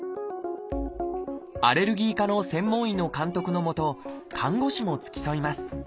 アレルギー科の専門医の監督の下看護師も付き添います。